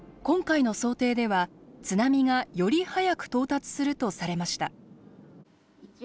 今回の想定では津波がより早く到達するとされました。